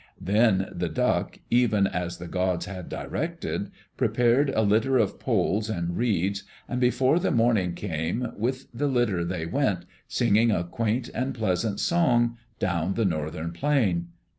Then the Duck, even as the gods had directed, prepared a litter of poles and reeds, and before the morning came, with the litter they went, singing a quaint and pleasant song, down the northern plain.